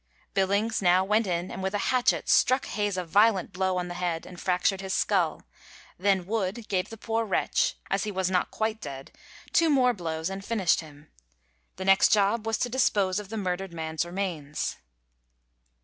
Billings now went in, and with a hatchet struck Hayes a violent blow on the head and fractured his skull; then Wood gave the poor wretch, as he was not quite dead, two more blows and finished him. The next job was to dispose of the murdered man's remains.